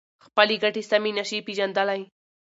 خپلې ګټې سمې نشي پېژندلای.